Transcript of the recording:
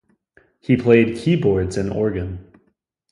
He played Keyboards and organ.